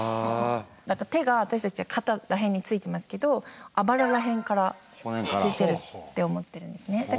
何か手が私たちは肩ら辺についてますけどあばらら辺から出てるって思ってるんですね。